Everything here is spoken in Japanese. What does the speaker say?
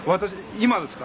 今ですか？